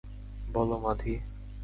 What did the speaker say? বলো, মাধি।